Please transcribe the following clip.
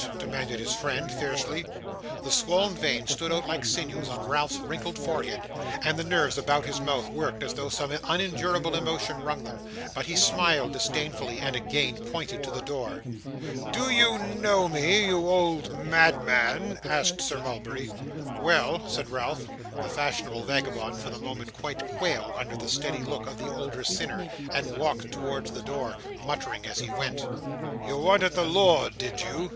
demanded his friend, fiercely. The swoln veins stood out like sinews on Ralph's wrinkled forehead, and the nerves about his mouth worked as though some unendurable emotion wrung them; but he smiled disdainfully, and again pointed to the door. 'Do you know me, you old madman?' asked Sir Mulberry. 'Well,' said Ralph. The fashionable vagabond for the moment quite quailed under the steady look of the older sinner, and walked towards the door, muttering as he went. 'You wanted the lord, did you?